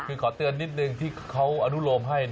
คือขอเตือนนิดนึงที่เขาอนุโลมให้